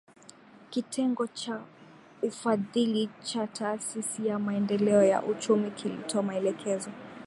Kitengo cha ufadhili cha taasisi ya Maendeleo ya Uchumi kilitoa maelekezo